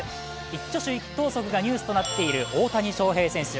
一挙手一投足がニュースとなっている大谷翔平選手。